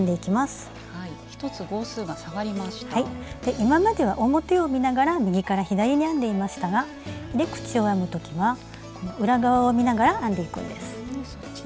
今までは表を見ながら右から左に編んでいましたが入れ口を編む時は裏側を見ながら編んでいくんです。